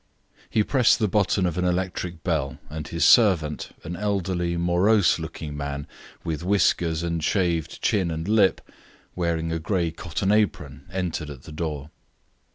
He pressed the button of an electric bell, and his servant, an elderly, morose looking man, with whiskers and shaved chin and lip, wearing a grey cotton apron, entered at the door.